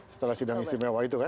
setelah sidang istimewa itu kan